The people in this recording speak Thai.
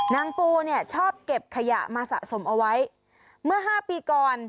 นางปูเนี่ยชอบเก็บขยะมาสะสมเอาไว้เมื่อ๕ปีก่อน